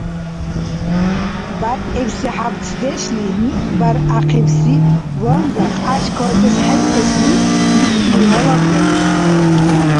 БяргӀибси хӀябцдешли миъбяргӀяхъибси ванза кьяш кацӀес хӀейэсли миъли гъалагбарилри.